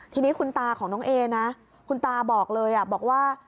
ทีนี้คุณตาของน้องเอนะคุณตาบอกเลยบอกว่า